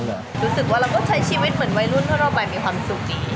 รู้สึกว่าเราก็ใช้ชีวิตเหมือนวัยรุ่นทั่วไปมีความสุขดี